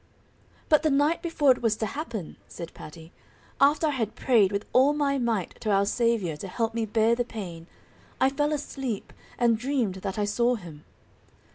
"But the night before it was to happen," said Patty, "after I had prayed with all my might to our Saviour to help me bear the pain I fell asleep, and dreamed that I saw Him.